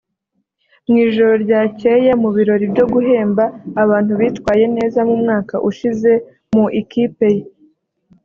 Mu ijoro ryakeye mu birori byo guhemba abantu bitwaye neza mu mwaka ushize mu ikipe ye